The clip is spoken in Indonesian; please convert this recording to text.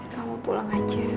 kamu pulang aja